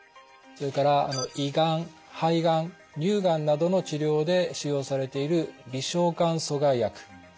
それから胃がん肺がん乳がんなどの治療で使用されている微小管阻害薬。